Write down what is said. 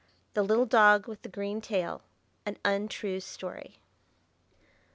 THE LITTLE DOG WITH THE GREEN TAIL. AN UNTRUE STORY.